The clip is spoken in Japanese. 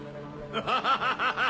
ハハハハ。